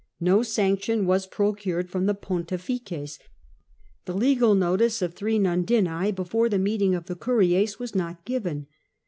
No sanction was procured from the Bontifim, the legal notice of three nundinae before the meeting of the Curies was not given.